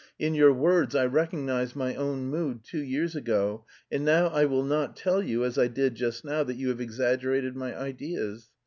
In your words I recognise my own mood two years ago, and now I will not tell you, as I did just now, that you have exaggerated my ideas.